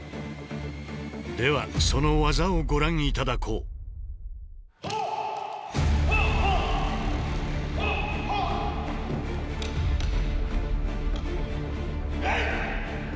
ではその技をご覧頂こうえい！